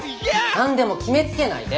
何でも決めつけないで！